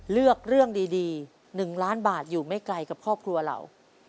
เลือกเรื่องดี๑ล้านบาทอยู่ไม่ไกลกับครอบครัวเรา